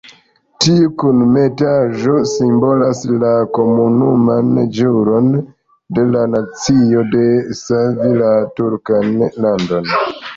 Tiu kunmetaĵo simbolas la komunan ĵuron de la nacio por savi la turkan landon.